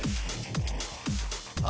あ！